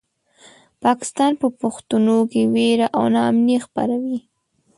پاکستان په پښتنو کې وېره او ناامني خپروي.